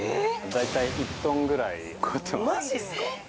大体１トンぐらい、困ってままじですか？